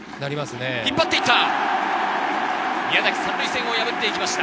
引っ張っていった！